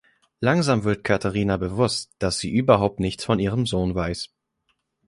Langsam wird Caterina bewusst, dass sie überhaupt nichts von ihrem Sohn weiß.